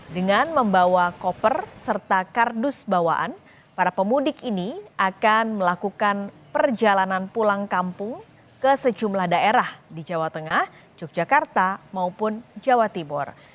dengan membawa koper serta kardus bawaan para pemudik ini akan melakukan perjalanan pulang kampung ke sejumlah daerah di jawa tengah yogyakarta maupun jawa tibur